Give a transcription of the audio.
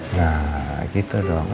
nah gitu dong